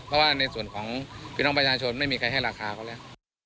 เพราะว่าในส่วนของพี่น้องประชาชนไม่มีใครให้ราคาเขาแล้ว